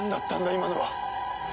今のは。